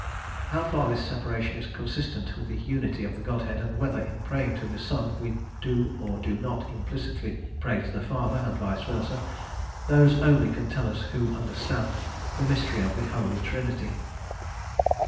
How far this separation is consistent with the unity of the Godhead, and whether in praying to the Son we do, or do not, implicitly pray to the Father, and vice versa, those only can tell us who understand the "mystery of the Holy Trinity."